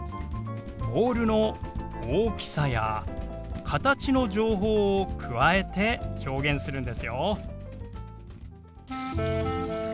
ボールの大きさや形の情報を加えて表現するんですよ。